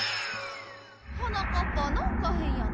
はなかっぱなんかへんやな。